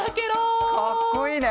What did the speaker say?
かっこいいね。